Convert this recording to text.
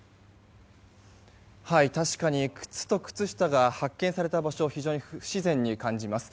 確かに靴と靴下が発見された場所は非常に不自然に感じます。